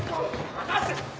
離せ！